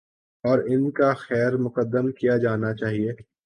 اور ان کا خیر مقدم کیا جانا چاہیے۔